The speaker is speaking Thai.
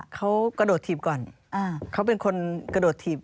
เขากระโดดถีบก่อนเขาเป็นคนกระโดดถีบ